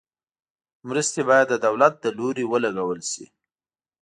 مرستې باید د دولت له لوري ولګول شي.